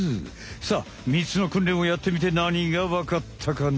さあ３つのくんれんをやってみてなにがわかったかな？